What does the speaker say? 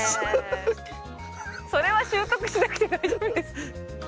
それは習得しなくて大丈夫です。